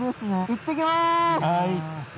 行ってきます。